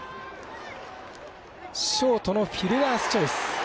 ショートのフィルダースチョイス。